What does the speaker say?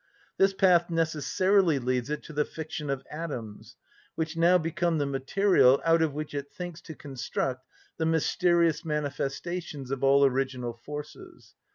This path necessarily leads it to the fiction of atoms, which now become the material out of which it thinks to construct the mysterious manifestations of all original forces.